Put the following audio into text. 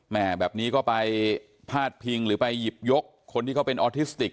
แม่แบบนี้ก็ไปพาดพิงหรือไปหยิบยกคนที่เขาเป็นออทิสติก